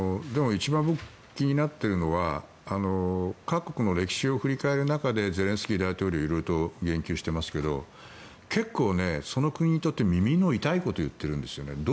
一番気になっているのは各国の歴史を振り返る中でゼレンスキー大統領は色々と言及していますが結構、その国にとって耳の痛いことを言っているんですよね。